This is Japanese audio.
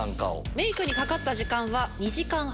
メイクにかかった時間は２時間半。